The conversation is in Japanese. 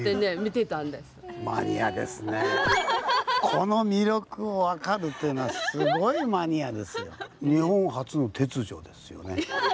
この魅力を分かるというのはすごいマニアですよ。